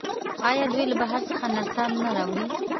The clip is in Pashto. آیا دوی له بهر څخه نرسان نه راوړي؟